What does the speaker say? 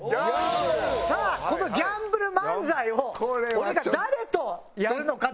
さあこのギャンブル漫才を俺が誰とやるのかと。